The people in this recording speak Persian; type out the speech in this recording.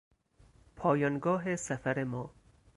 پایانگاه سفر ما